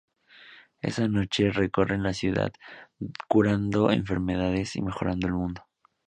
Esa noche recorren la ciudad, curando enfermedades y mejorando el mundo.